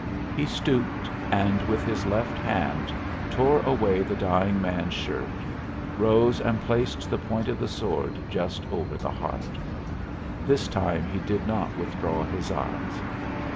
He stooped and with his left hand tore away the dying man's shirt, rose and placed the point of the sword just over the heart. This time he did not withdraw his eyes.